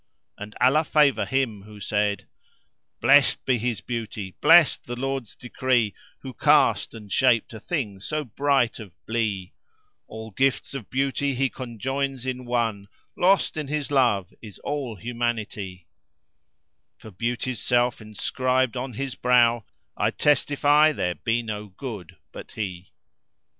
[FN#337] And Allah favour him who said:— Blest be his beauty; blest the Lord's decree * Who cast and shaped a thing so bright of blee: All gifts of beauty he conjoins in one; * Lost in his love is all humanity; For Beauty's self inscribed on his brow * "I testify there be no Good but he!"